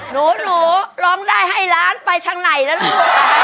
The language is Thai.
หนูร้องได้ให้ร้านไปทางไหนแล้วล่ะ